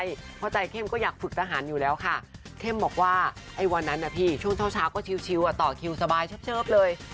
เพราะใจเข้มก็อยากฝึกทหารอยู่แล้วค่ะเข้มบอกว่าไอ้วันนั้นนะพี่ช่วงเช้าก็ชิวต่อคิวสบายเชิบเลย